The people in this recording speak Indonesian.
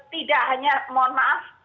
tidak hanya mohon maaf